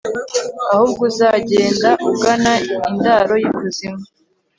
ahubwo uzagenda ugana indaro y'ikuzimu